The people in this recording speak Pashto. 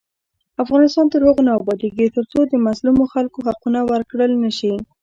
افغانستان تر هغو نه ابادیږي، ترڅو د مظلومو خلکو حقونه ورکړل نشي.